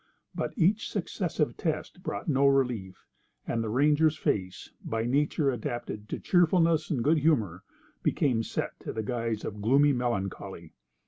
But each successive test brought no relief, and the ranger's face, by nature adapted to cheerfulness and good humour, became set to the guise of gloomy melancholy.